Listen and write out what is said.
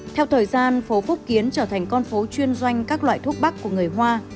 theo thời gian phố phúc kiến trở thành con phố chuyên doanh các loại thuốc bắc của người hoa